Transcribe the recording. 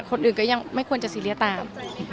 คนอื่นก็ยังไม่ควรจะซีเรียสตาม